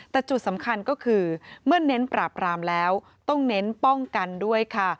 แต่จุดสำคัญก็คือเมื่อเน้นปราบรามแล้วต้องเน้นป้องกันด้วยค่ะ